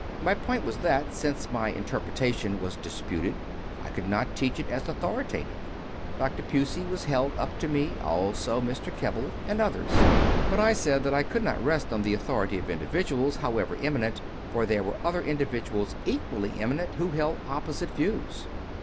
My point was that, since my interpretation was disputed, I could not teach it as authoritative. Dr. Pusey was held up to me, also Mr. Keble, and others. But I said that I could not rest on the authority of individuals however eminent, for there were other individuals equally eminent who held oppos CONFESSIONS OF A CONVERT 95 ing views.